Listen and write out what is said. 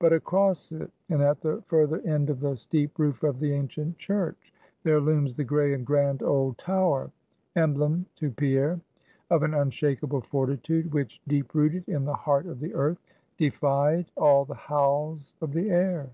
But across it, and at the further end of the steep roof of the ancient church, there looms the gray and grand old tower; emblem to Pierre of an unshakable fortitude, which, deep rooted in the heart of the earth, defied all the howls of the air.